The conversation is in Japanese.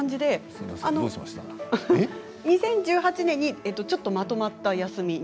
２０１８年にちょっとまとまったお休み。